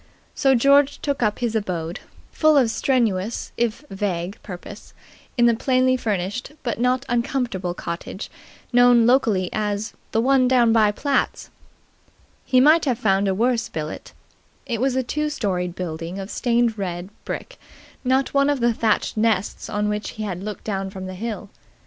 So George took up his abode, full of strenuous if vague purpose, in the plainly furnished but not uncomfortable cottage known locally as "the one down by Platt's." He might have found a worse billet. It was a two storied building of stained red brick, not one of the thatched nests on which he had looked down from the hill.